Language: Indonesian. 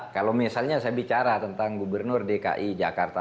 kalau misalnya saya bicara tentang gubernur dki jakarta